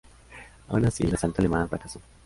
Aun así, el asalto alemán fracasó.